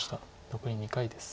残り２回です。